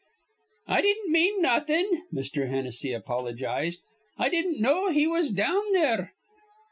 "I didn't mean nawthin'," Mr. Hennessy apologized. "I didn't know he was down there."